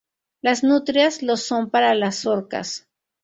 Las nutrias lo son para las orcas.